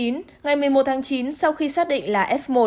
ngày một mươi một tháng chín sau khi xác định là f một